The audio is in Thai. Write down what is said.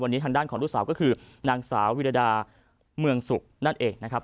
วันนี้ทางด้านของลูกสาวก็คือนางสาววิรดาเมืองสุนั่นเองนะครับ